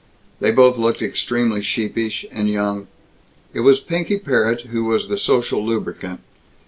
They both looked extremely sheepish and young. It was Pinky Parrott who was the social lubricant.